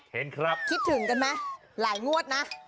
เห็นครับคิดถึงกันไหมหลายงวดนะ